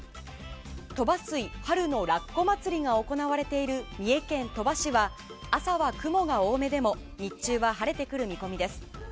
トバスイ春のラッコ祭りが行われている三重県鳥羽市は朝は雲が多めでも日中は晴れてくる見込みです。